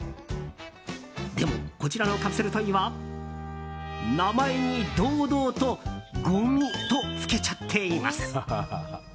でも、こちらのカプセルトイは名前に堂々とゴミとつけちゃっています。